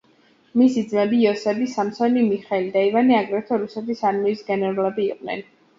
მისი ძმები, იოსები, სამსონი, მიხეილი და ივანე აგრეთვე რუსეთის არმიის გენერლები იყვნენ.